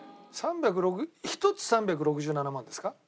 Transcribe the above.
１つ３６７万ですか？